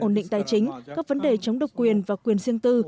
ổn định tài chính các vấn đề chống độc quyền và quyền riêng tư